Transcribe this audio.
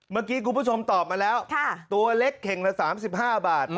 เมื่อกี้คุณผู้ชมตอบมาแล้วตัวเล็กเข่งละ๓๕บาท